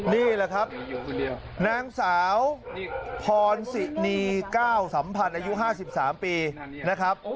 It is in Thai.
นี่แหละครับนางสาวพรสินี๙สัมพันธ์อายุ๕๓ปีนะครับ